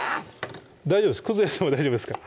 大丈夫です崩れても大丈夫です